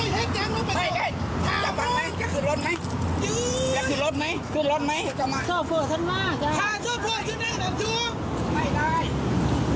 ชอบพ่อชั้นมากชอบพ่อชั้นมากไม่ได้เอาแผงเข้าไปทำใหม่